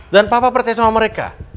dan papa percaya sama mereka